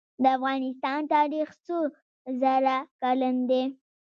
د افغانستان تاریخ څو زره کلن دی؟